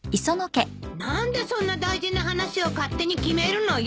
何でそんな大事な話を勝手に決めるのよ！